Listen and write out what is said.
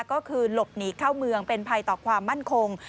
ก็คือหลบหนีเข้าเมืองเป็นภัยต่อความมั่นคง